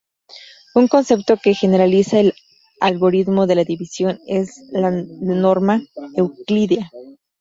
Un concepto que generaliza el algoritmo de la división es el de norma euclídea.